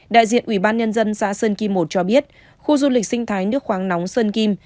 đại diện ủy ban nhân dân xã sơn kim một cho biết khu du lịch sinh thái nước khoáng nóng sơn kim